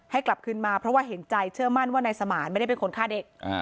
กลับขึ้นมาเพราะว่าเห็นใจเชื่อมั่นว่านายสมานไม่ได้เป็นคนฆ่าเด็ก